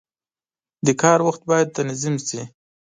• د کار وخت باید تنظیم شي.